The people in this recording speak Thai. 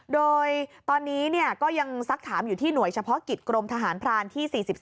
โดยตอนนี้ก็ยังซักถามอยู่ที่หน่วยเฉพาะกิจกรมทหารพรานที่๔๓